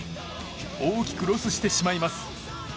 大きくロスしてしまいます。